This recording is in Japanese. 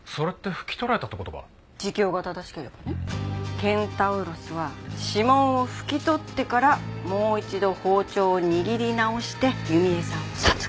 ケンタウロスは指紋を拭き取ってからもう一度包丁を握り直して弓江さんを殺害。